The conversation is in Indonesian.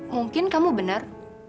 mungkin kamu benar